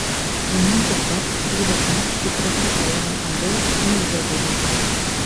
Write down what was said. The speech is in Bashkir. Уныһы туҡтап, биҙрәһен, сепрәкле таяғын алды ла Тимергә боролдо: